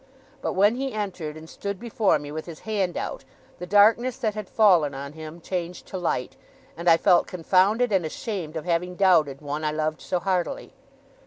But when he entered, and stood before me with his hand out, the darkness that had fallen on him changed to light, and I felt confounded and ashamed of having doubted one I loved so heartily.